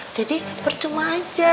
jadi percuma aja